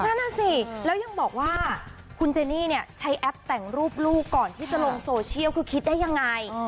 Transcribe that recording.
นั่นน่ะสิแล้วยังบอกว่าคุณเจนี่เนี่ยใช้แอปแต่งรูปลูกก่อนที่จะลงโซเชียลคือคิดได้ยังไง